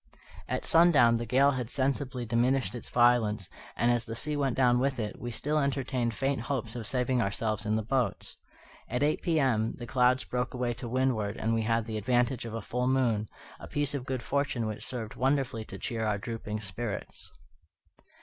At sundown the gale had sensibly diminished in violence, and, as the sea went down with it, we still entertained faint hopes of saving ourselves in the boats. At eight P.M., the clouds broke away to windward, and we had the advantage of a full moon, a piece of good fortune which served wonderfully to cheer our drooping spirits.